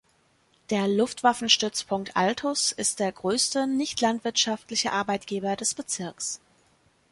Der Luftwaffenstützpunkt Altus ist der größte nicht-landwirtschaftliche Arbeitgeber des Bezirks.